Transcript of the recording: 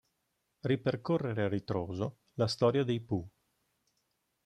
Ripercorre a ritroso la storia dei Pooh.